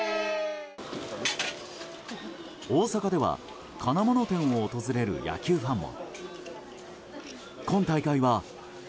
大阪では金物店を訪れる野球ファンも。